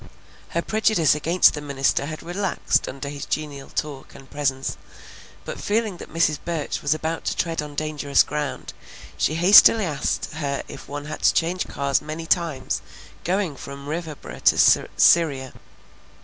Her prejudice against the minister had relaxed under his genial talk and presence, but feeling that Mrs. Burch was about to tread on dangerous ground, she hastily asked her if one had to change cars many times going from Riverboro to Syria.